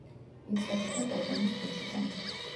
იწყებოდა პეკინის ქუჩიდან.